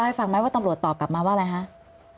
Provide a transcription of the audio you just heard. พี่พร้อมทิพย์คิดว่าคุณพิชิตคิดว่าคุณพิชิตคิด